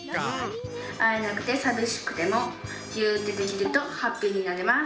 あえなくてさびしくてもギューッてできるとハッピーになれます。